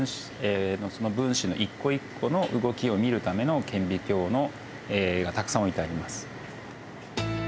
その分子の一個一個の動きを見るための顕微鏡がたくさん置いてあります。